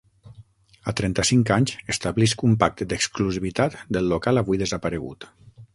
A trenta-cinc anys, establisc un pacte d'exclusivitat del local avui desaparegut.